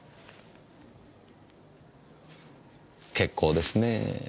結構ですねぇ。